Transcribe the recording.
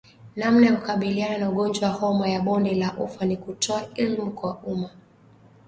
Namna ya kukabiliana na ugonjwa wa homa ya bonde la ufa ni kutoa elimu kwa umma